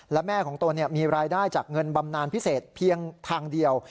และแม่ของตนมีรายได้จากเงินบำนานพิเศษเพียงทางเดียว